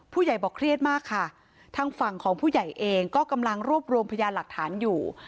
ผู้ใหญ่บอกเครียดมากค่ะทางฝั่งของผู้ใหญ่เองก็กำลังรวบรวมพยานหลักฐานอยู่